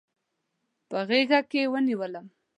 په غیږکې ونیولم